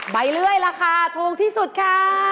ใบเลื่อยราคาโทรงที่สุดค่ะ